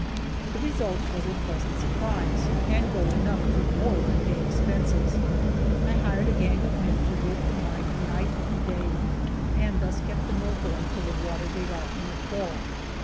The result was a pleasant surprise, and gold enough to more than pay expenses. I hired a gang of men to work the mine night and day, and thus kept the mill going till the water gave out in the fall.